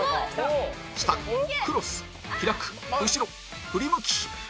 下クロス開く後ろ振り向きポーズ